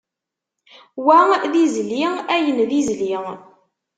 Wa d izli ayen d izli.